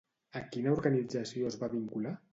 A quina organització es va vincular?